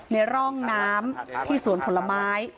ในร่องน้ำที่สวนผลไม้